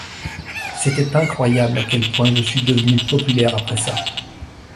C'était incroyable à quel point je suis devenu populaire après ça.